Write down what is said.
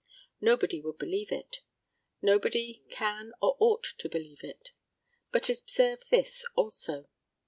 Nobody would believe it. Nobody can or ought to believe it. But observe this also.